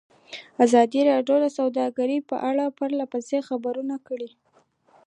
ازادي راډیو د سوداګري په اړه پرله پسې خبرونه خپاره کړي.